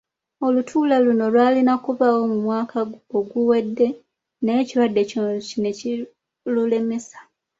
Olutuula luno lwalina kubaawo mu mwaka oguwedde naye ekirwadde kino ne kirulemesa.